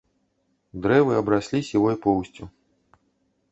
Дрэвы абраслі сівой поўсцю.